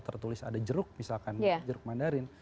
tertulis ada jeruk misalkan jeruk mandarin